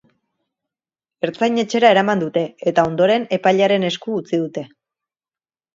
Ertzain-etxera eraman dute, eta, ondoren, epailearen esku utzi dute.